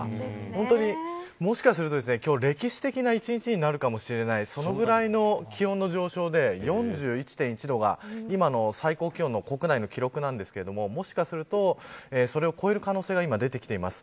本当に、もしかすると歴史的な１日なるかもしれないそれぐらいの気温の上昇で、４１．１度が今の最高気温の国内の記録なんですが、もしかするとそれを超える可能性が出てきています。